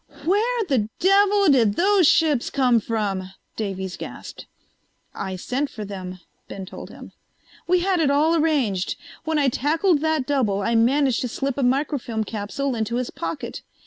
"Where the devil did those ships come from?" Davies gasped. "I sent for them," Ben told him. "We had it all arranged. When I tackled that double I managed to slip a microfilm capsule into his pocket.